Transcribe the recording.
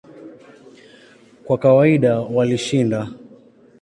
Kwa kawaida walishinda.